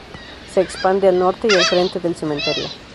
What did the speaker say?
Se expande al norte y al frente del Cementerio.